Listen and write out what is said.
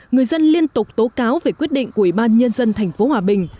người dân liên tục tố cáo về quyết định của ủy ban nhân dân tp hòa bình